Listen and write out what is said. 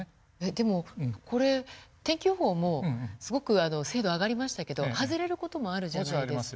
でもこれ天気予報もすごく精度上がりましたけど外れる事もあるじゃないですか。